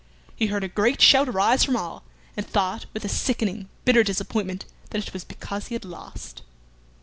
He heard a great shout arise from all, and thought, with a sickening, bitter disappointment, that it was because he had lost.